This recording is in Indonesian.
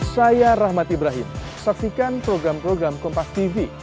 saya rahmat ibrahim saksikan program program kompastv